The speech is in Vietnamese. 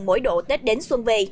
mỗi độ tết đến xuân về